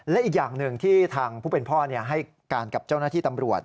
และอีกอย่างหนึ่งที่ทางผู้เป็นพ่อให้การกับเจ้าหน้าที่ตำรวจ